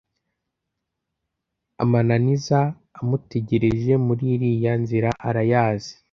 Amananiza amutegerereje muri iriya nzira arayazi